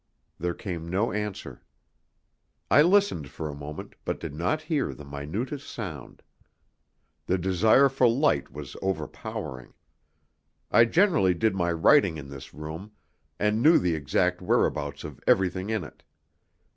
There came no answer. I listened for a moment, but did not hear the minutest sound. The desire for light was overpowering. I generally did my writing in this room, and knew the exact whereabouts of everything in it.